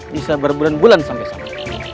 bisa berbulan bulan sampai sana